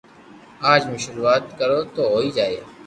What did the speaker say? اج مون ݾروعات ڪرو تو ھوئي